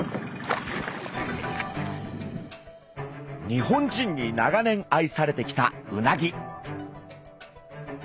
日本人に長年愛されてきたうなぎ。